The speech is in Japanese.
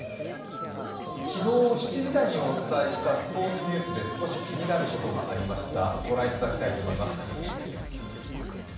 昨日７時台にお伝えしたスポーツニュースで少し気になることがありました、ご覧いただきたいと思います。